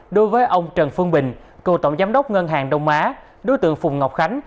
đối với ông trần phương bình cựu tổng giám đốc ngân hàng đông á đối tượng phùng ngọc khánh